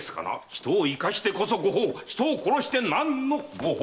人を生かしてこそ御法人を殺して何の御法！